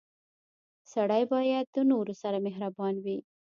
• سړی باید د نورو سره مهربان وي.